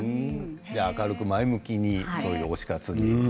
明るく前向きに推し活を。